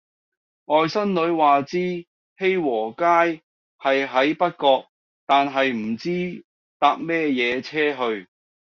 外甥女話知熙和街係喺北角但係唔知搭咩野車去